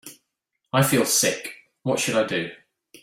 I feel sick, what should I do?